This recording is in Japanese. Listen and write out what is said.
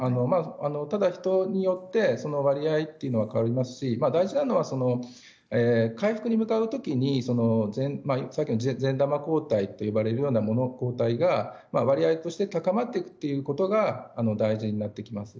ただ、人によって割合というのは変わりますし、大事なのは回復に向かう時に善玉抗体といわれるような抗体が割合として高まっていくことが大事になってきます。